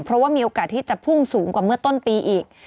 เพราะว่ามีโอกาสที่จะพุ่งสูงกว่าเมื่อต้นปีอีก